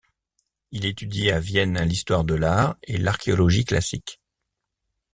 Il étudie à Vienne l'histoire de l'art et l'archéologie classique.